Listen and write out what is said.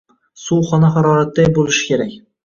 Suv xona xaroratiday bo`lishi kerak